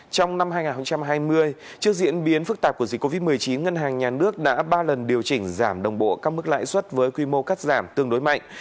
trong năm hai nghìn hai mươi trước diễn biến phức tạp của dịch covid một mươi chín ngân hàng nhà nước đã ba lần điều chỉnh giảm đồng bộ các mức lãi suất với quy mô cắt giảm tương đối mạnh